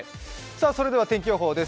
それでは天気予報です。